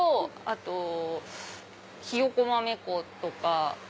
あとひよこ豆粉とか。